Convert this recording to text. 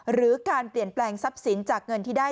หรือการเปลี่ยนแปลงทรัพย์สินจากเงินที่ได้